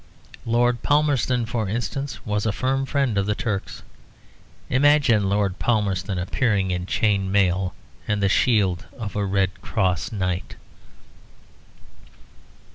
Lord Palmerston, for instance, was a firm friend of the Turks. Imagine Lord Palmerston appearing in chain mail and the shield of a Red Cross Knight.